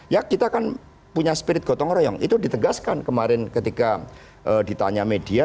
ya kita kan punya spirit gotong royong itu ditegaskan kemarin ketika ditanya media